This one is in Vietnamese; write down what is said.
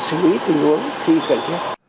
để xử lý tình huống